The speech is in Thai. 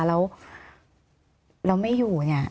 แล้วเราไม่อยู่เนี่ย